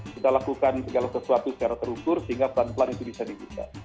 kita lakukan segala sesuatu secara terukur sehingga pelan pelan itu bisa dibuka